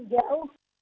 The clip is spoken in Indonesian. kita tidak diperbolehkan